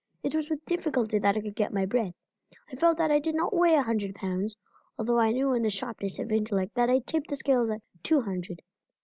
It was with difficulty that I could get my breath. I felt that I did not weigh a hundred pounds, although I knew in the sharpness of intellect that I tipped the scales at two hundred.